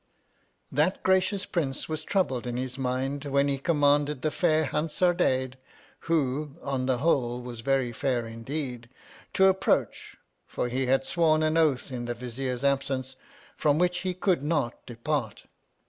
That gracious prince was troubled in his mind when he commanded the fair Hansardadade (who, on the whole, was very fair indeed), to approach, for he had sworn an oath in the Vizier's absence from which he could not depart.